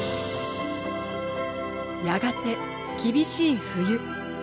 やがて厳しい冬。